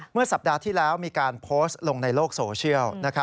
เมื่อสัปดาห์ที่แล้วมีการโพสต์ลงในโลกโซเชียล